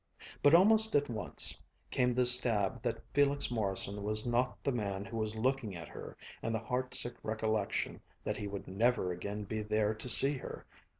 But almost at once came the stab that Felix Morrison was not the man who was looking at her, and the heartsick recollection that he would never again be there to see her.